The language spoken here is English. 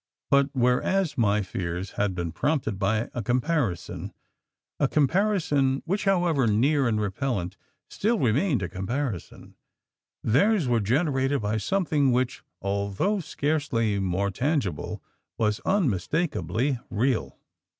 But whereas my fears had been prompted by a comparison, a comparison which, however near and repellent, still remained a COMPARISON, theirs were generated by something which, although scarcely more tangible, was unmistakably REAL.